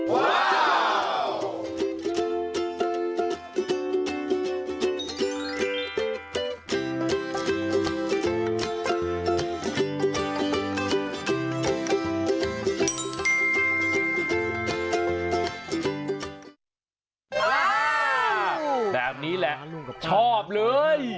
ว้าวแบบนี้แหละชอบเลย